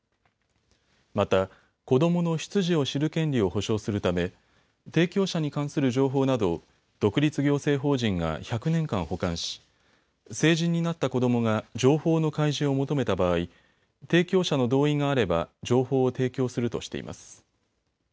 また子どもの出自を知る権利を保障するため提供者に関する情報などを独立行政法人が１００年間保管し成人になった子どもが情報の開示を求めた場合、提供者の同意があれば情報を提供するとしています。